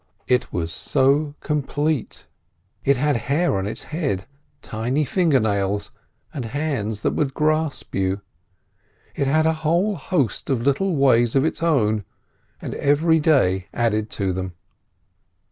It was so complete. It had hair on its head, tiny finger nails, and hands that would grasp you. It had a whole host of little ways of its own, and every day added to them.